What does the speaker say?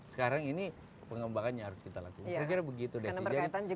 sekarang ini pengembangannya harus kita lakukan